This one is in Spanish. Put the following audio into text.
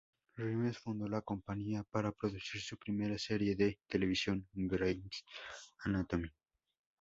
Rhimes fundó la compañía para producir su primera serie de televisión, "Grey's Anatomy".